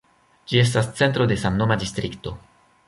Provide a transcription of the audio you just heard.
Ĝi estas centro de samnoma distrikto.